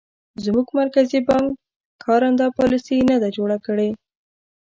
زموږ مرکزي بانک کارنده پالیسي نه ده جوړه کړې.